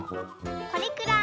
これくらい。